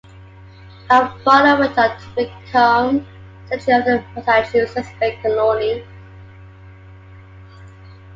Her father went on to become Secretary of the Massachusetts Bay Colony.